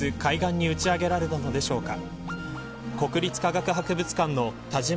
しかし、なぜ、連日、海岸に打ち上げられたのでしょうか。